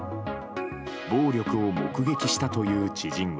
暴力を目撃したという知人は。